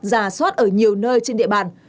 giả soát ở nhiều nơi trên địa bàn